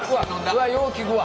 うわっよう効くわ。